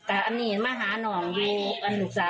อันอ่ายท่านมันใจใดเลยลาว่าสักมันเป็นอย่างโดว่าสัก